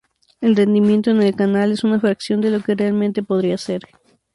El rendimiento en el canal es una fracción de lo que realmente podría ser.